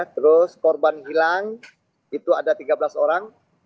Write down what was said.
terus korban hilang itu ada tiga belas orang